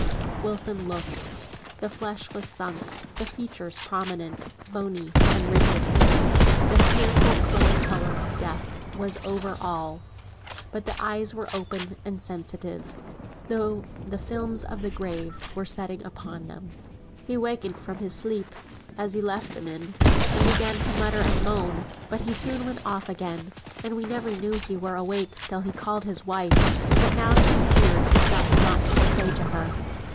Wilson looked. The flesh was sunk, the features prominent, bony, and rigid. The fearful clay colour of death was over all. But the eyes were open and sensible, though the films of the grave were settling upon them. "He wakened fra his sleep, as yo left him in, and began to mutter and moan; but he soon went off again, and we never knew he were awake till he called his wife, but now she's here he's gotten nought to say to her."